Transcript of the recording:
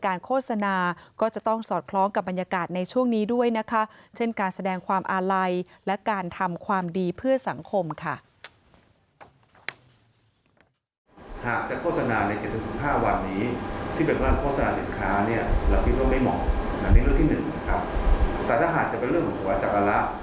แต่ถ้าหากจะเป็นเรื่องของประวัติศาสตร์อัลละ